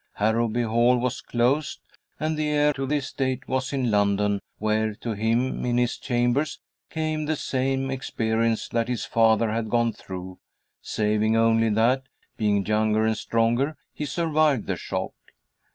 Harrowby Hall was closed, and the heir to the estate was in London, where to him in his chambers came the same experience that his father had gone through, saving only that, being younger and stronger, he survived the shock.